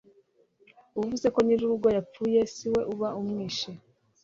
uvuze ko nyir'urugo yapfuye si we uba umwishe